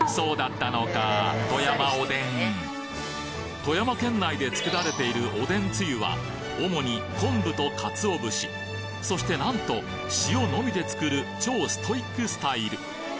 富山県内で作られているおでんつゆは主に昆布とかつお節そしてなんと塩のみで作る超ストイックスタイル！